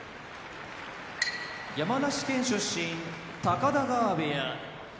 山梨県出身高田川部屋